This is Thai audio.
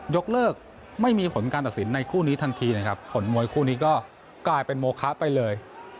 ยกเลิกไม่มีผลการตัดสินในคู่นี้ทันทีนะครับผลมวยคู่นี้ก็กลายเป็นโมคะไปเลย